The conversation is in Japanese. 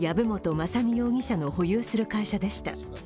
雅巳容疑者の保有する会社でした。